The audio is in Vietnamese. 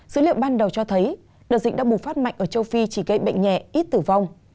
dữ liệu ban đầu cho thấy đợt dịch đang bùng phát mạnh ở châu phi chỉ gây bệnh nhẹ ít tử vong